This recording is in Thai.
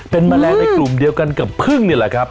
เป็นแมลงในกลุ่มเดียวกันกับพึ่งนี่แหละครับ